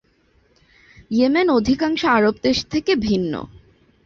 Yemen অধিকাংশ আরব দেশ থেকে ভিন্ন।